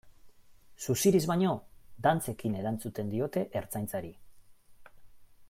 Suziriz baino, dantzekin erantzuten diote Ertzaintzari.